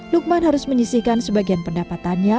lukman harus menyisihkan sebagian pendapatannya